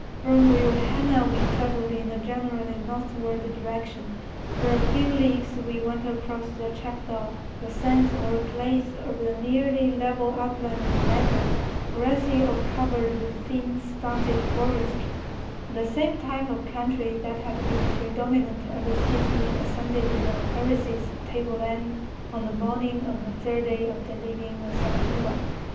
From Vilhena we travelled in a generally northward direction. For a few leagues we went across the chapadao, the sands or clays of the nearly level upland plateau, grassy or covered with thin, stunted forest, the same type of country that had been predominant ever since we ascended the Parecis table land on the morning of the third day after leaving the Sepotuba.